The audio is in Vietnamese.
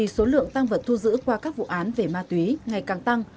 số lượng tăng vật thu giữ qua các vụ án về ma túy ngày càng tăng